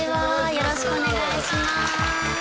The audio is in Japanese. よろしくお願いします